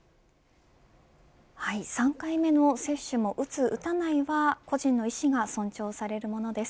３回目の接種も打つ打たないは、個人の意思が尊重されるものです。